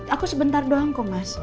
aku sebentar doang kok mas